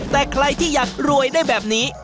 แต่ใครที่อยากรวยได้แบบนี้